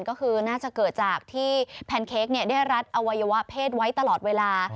ก็คือน่าจะเกิดจากที่แพนเค้กได้รัดอวัยวะเพศไว้ตลอดเวลา